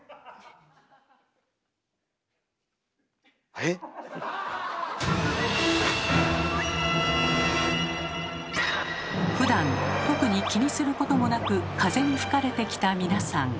えっ？ふだん特に気にすることもなく風に吹かれてきた皆さん。